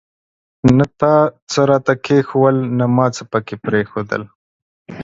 نه تا څه راته کښېښوول ، نه ما څه پکښي پريښودل.